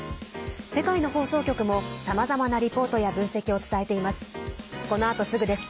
世界の放送局もさまざまなリポートや分析を伝えています。